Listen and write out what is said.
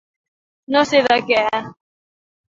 No sé de què...